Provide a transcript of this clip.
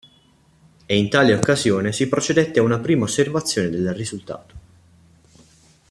E in tale occasione si procedette a una prima osservazione del risultato.